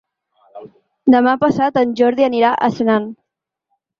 Demà passat en Jordi anirà a Senan.